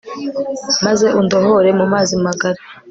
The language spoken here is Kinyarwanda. maze undohore mu mazi magari